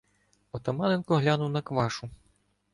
Отаманенко глянув на Квашу.